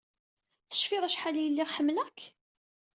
Tecfid acḥal ay lliɣ ḥemmleɣ-k?